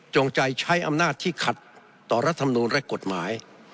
จงใจใช้อำนาจที่ขัดต่อรัฐธรรมนูลและกฎหมาย